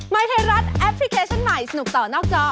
ยไทยรัฐแอปพลิเคชันใหม่สนุกต่อนอกจอ